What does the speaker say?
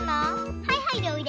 はいはいでおいで。